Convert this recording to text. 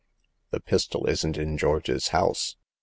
J* The pistol isn't in George's house."